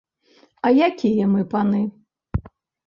А якія мы паны?